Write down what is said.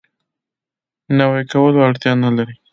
نوی کولو اړتیا نه لري.